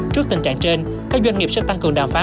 trước tình trạng trên các doanh nghiệp sẽ tăng cường đàm phán